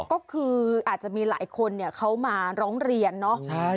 ก็คืออาจจะมีหลายคนเขามาร้องเรียนเนาะ